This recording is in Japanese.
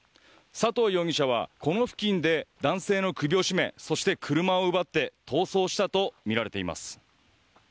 佐藤容疑者はこの付近で男性の首を絞めそして、車を奪って逃走したとみられています。